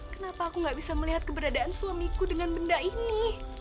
kenapa aku gak bisa melihat keberadaan suamiku dengan benda ini